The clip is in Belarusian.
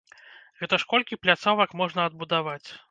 Гэта ж колькі пляцовак можна адбудаваць!